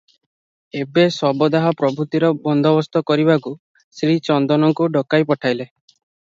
ଏଣେ ଶବଦାହ ପ୍ରଭୃତିର ବନ୍ଦୋବସ୍ତ କରିବାକୁ ଶ୍ରୀ ଚନ୍ଦନଙ୍କୁ ଡକାଇ ପଠାଇଲେ ।